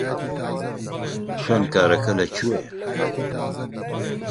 خوێندکارەکە لەکوێیە؟